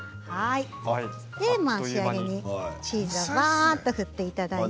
仕上げにチーズをばっと振っていただいて。